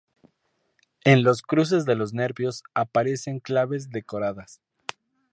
En los cruces de los nervios aparecen claves decoradas.